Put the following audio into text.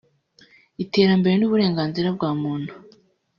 iterambere n’uburenganzira bwa muntu